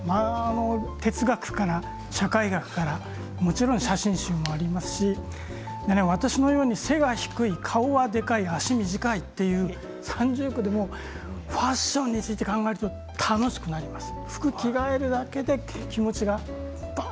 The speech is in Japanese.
哲学から社会学からもちろん写真集もありますし昔のように背は低い、顔はでかい足が短いという三重苦でファッションについて考えると楽しくなります。